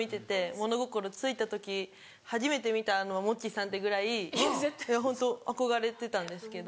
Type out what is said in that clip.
物心ついた時初めて見たのがモッチーさんってぐらいホント憧れてたんですけど。